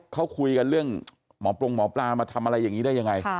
เขาคูยกันเรื่องหมอปุรงหมอปรามาทำอะไรยังไง